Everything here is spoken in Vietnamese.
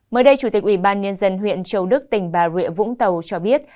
mới đây chủ tịch ủy ban nhân dân huyện châu đức tỉnh bà rịa vũng tàu cho biết